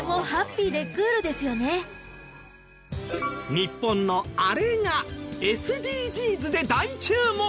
日本のあれがＳＤＧｓで大注目！